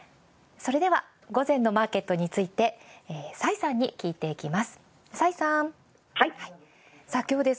それでは午前のマーケットについて崔さんに聞いていきます。